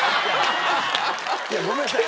いやごめんなさい。